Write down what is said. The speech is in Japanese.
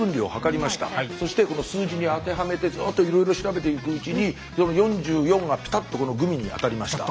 そしてこの数字に当てはめてずっといろいろ調べていくうちにその「４４」がピタッとこのグミにあたりました。